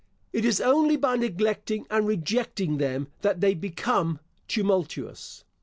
It is only by neglecting and rejecting them that they become tumultuous.